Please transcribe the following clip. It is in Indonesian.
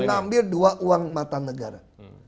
mengambil dua uang mata negara